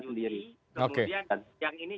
sendiri kemudian yang ini